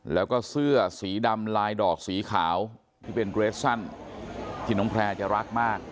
แล้วก็เสื้อสีดำลายดอกสีขาวที่เป็นเกรสสั้นที่น้องแพร่จะรักมาก